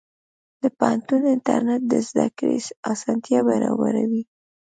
د پوهنتون انټرنېټ د زده کړې اسانتیا برابروي.